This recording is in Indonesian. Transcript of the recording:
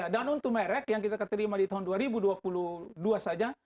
dan untuk merek yang kita terima di tahun dua ribu dua puluh dua saja